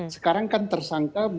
sekarang kan tersangka